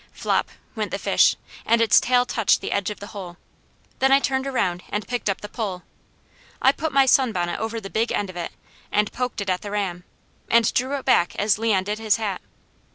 Flop! went the fish, and its tail touched the edge of the hole. Then I turned around and picked up the pole. I put my sunbonnet over the big end of it, and poked it at the ram, and drew it back as Leon did his hat.